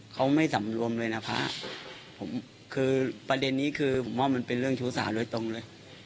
เขาไม่สำรวมเลยนะพระผมคือประเด็นนี้คือผมว่ามันเป็นเรื่องชู้สาวโดยตรงเลย